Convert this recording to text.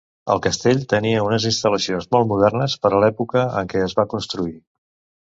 El castell tenia unes instal·lacions molt modernes per a l'època en què es va construir.